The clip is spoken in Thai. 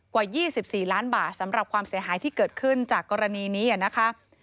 กว่า๒๔ล้านบาทสำหรับความเสียหายที่เกิดขึ้นจากกรณีนี้นะคะ